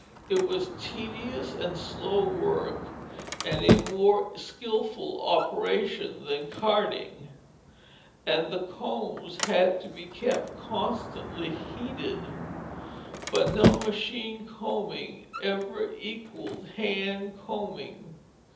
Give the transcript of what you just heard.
It was tedious and slow work, and a more skilful operation than carding; and the combs had to be kept constantly heated; but no machine combing ever equalled hand combing.